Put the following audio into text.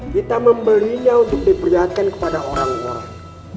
kita membelinya untuk diperlihatkan kepada orang orang